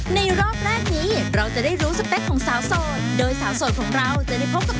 รอบแรกนี้เราจะได้รู้สเปคของสาวโสดโดยสาวโสดของเราจะได้พบกับ